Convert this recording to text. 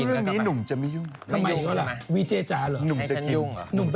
เรื่องนี้หนุ่มจะไม่ยุ่ง